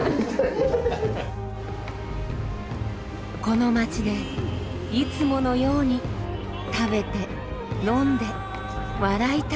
この街でいつものように食べて飲んで笑いたい。